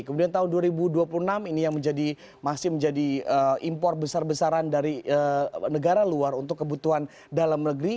kemudian tahun dua ribu dua puluh enam ini yang masih menjadi impor besar besaran dari negara luar untuk kebutuhan dalam negeri